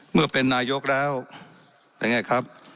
เมื่อเป็นนายกแล้วเป็นไงครับ